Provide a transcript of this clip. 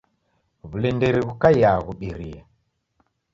W'ulindiri ghukaiaa ghubirie.